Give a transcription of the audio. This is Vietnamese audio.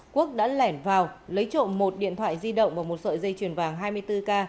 quốc đã lẻn vào lấy trộm một điện thoại di động và một sợi dây chuyền vàng hai mươi bốn k